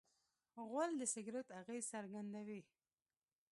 غول د سګرټ اغېز څرګندوي.